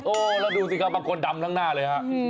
โอ้แล้วดูสิครับมันกลดำทั้งหน้าเลยค่ะ